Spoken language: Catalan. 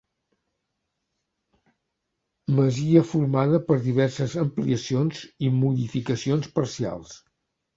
Masia formada per diverses ampliacions i modificacions parcials.